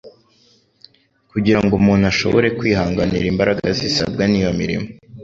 kugira ngo umuntu ashobore kwihanganira imbaraga zisabwa n'iyo mirimo